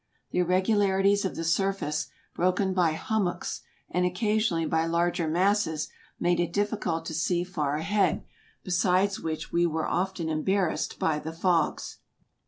The irregularities of the surface, broken by hummocks, and occasionally by larger masses, made it difficult to see far ahead, beside which we were often embarrassed by the fogs.